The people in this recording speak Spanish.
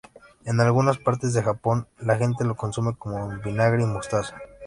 En algunas partes de Japón, la gente lo consume con vinagre y mostaza.